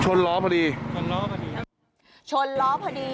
ชนล้อพอดีชนล้อพอดี